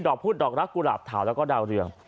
ดอกพุธดอกรักกุหลาบเทาแล้วก็ดาวเรือง